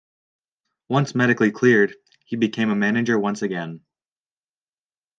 Once medically cleared, he became manager once again.